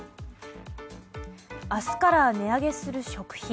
明日から値上げする食品。